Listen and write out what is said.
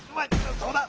そうだ。